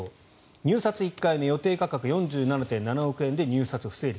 入札、１回目予定価格４７．７億円で入札が不成立。